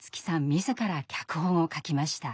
自ら脚本を書きました。